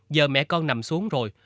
giờ mẹ con nằm xuống rồi